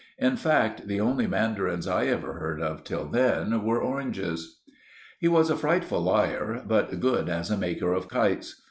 In fact, the only mandarins I ever heard of till then were oranges. He was a frightful liar, but good as a maker of kites.